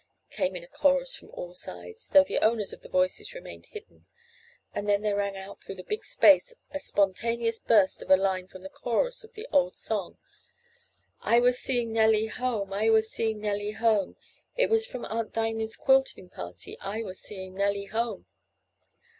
came in a chorus from all sides, though the owners of the voices remained hidden, and then there rang out through the big space a spontaneous burst of a line from the chorus of the old song: "I was seeing Nellie home. I was seeing Nellie home. It was from Aunt Dinah's quilting party, I was seeing Nellie home."